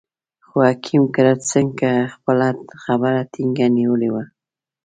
خو حکیم کرت سېنګ خپله خبره ټینګه نیولې وه.